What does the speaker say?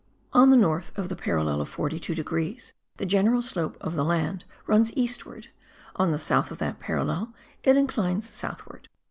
On the north of the parallel of 42 degrees the general slope of the land runs eastward; on the south of that parallel it inclines southward.